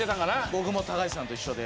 僕も高橋さんと一緒で。